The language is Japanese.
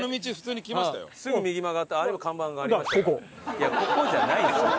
いや「ここ」じゃないでしょ。